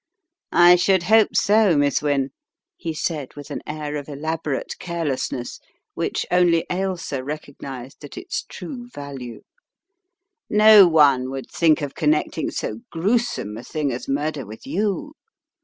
" I should hope so, Miss Wynne," he said with an air of elaborate carelessness, which only Ailsa recognized at its true value. "No one would think of connect ing so gruesome a thing as murder with you.